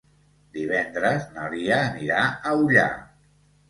Divendres na Lia anirà a Ullà.